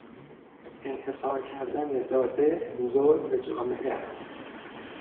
انحصار کردن داده، ظلم به جامعه است